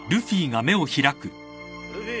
ルフィ。